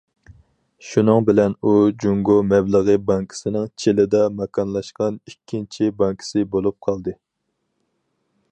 شۇنىڭ بىلەن ئۇ جۇڭگو مەبلىغى بانكىسىنىڭ چىلىدا ماكانلاشقان ئىككىنچى بانكىسى بولۇپ قالدى.